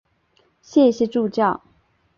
谢谢助教